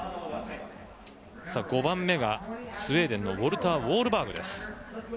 ５番目がスウェーデンのウォルター・ウォールバーグ。